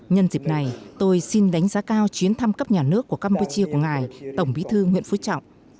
nhân dịp này tôi xin đánh giá cao chuyến thăm cấp nhà nước của campuchia của ngài tổng bí thư nguyễn phú trọng